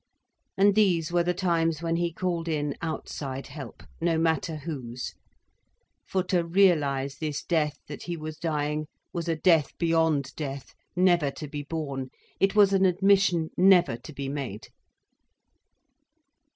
And these were the times when he called in outside help, no matter whose. For to realise this death that he was dying was a death beyond death, never to be borne. It was an admission never to be made.